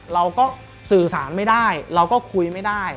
เราก็สื่อสารไม่ได้เราก็คุยไม่ได้